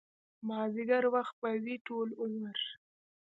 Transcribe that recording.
مازديګر وخت به وي ټول عمر